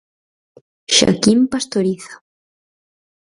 Xaquín Pastoriza.